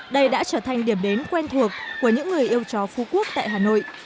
đây đã trở thành điểm đến quen thuộc của những người yêu chó phú quốc tại hà nội